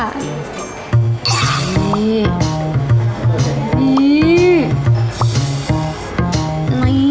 ดี